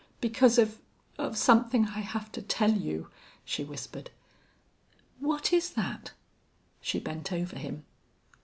"Because of of something I have to tell you," she whispered. "What is that?" She bent over him.